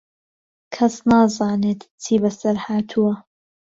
کەس نازانێت چی بەسەر هاتووە.